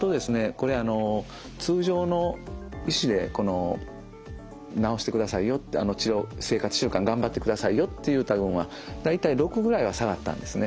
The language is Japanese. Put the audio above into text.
これあの通常の医師で治してくださいよって生活習慣頑張ってくださいよって言った群は大体６ぐらいは下がったんですね。